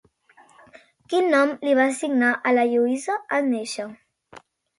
Quin nom li van assignar a la Lluïsa en néixer?